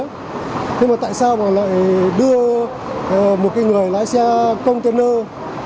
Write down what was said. nhưng mà tại sao lại đưa một người lái xe container